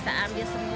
kenapa tak tentu